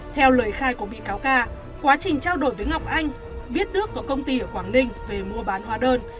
theo lời khai của bị cáo ca quá trình trao đổi với ngọc anh biết đức có công ty ở quảng ninh về mua bán hóa đơn